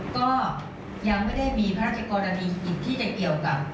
ก็ยังไม่ได้มีพระราชกรณีกิจที่จะเกี่ยวกับ